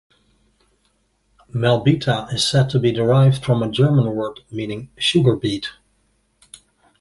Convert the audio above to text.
Melbeta is said to be derived from a German word meaning "sugar beet".